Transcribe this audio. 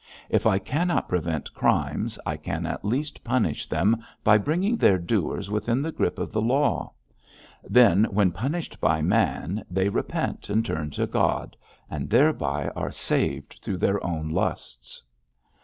If I cannot prevent crimes, I can at least punish them by bringing their doers within the grip of the law. Then when punished by man, they repent and turn to God, and thereby are saved through their own lusts.'